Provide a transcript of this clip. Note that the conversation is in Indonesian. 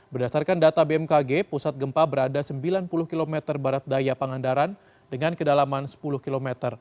berdasarkan data bmkg pusat gempa berada sembilan puluh km barat daya pangandaran dengan kedalaman sepuluh km